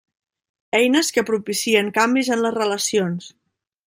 Eines que propicien canvis en les relacions.